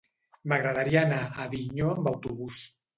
M'agradaria anar a Avinyó amb autobús.